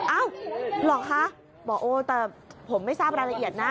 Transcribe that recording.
หรอคะบอกโอ้แต่ผมไม่ทราบรายละเอียดนะ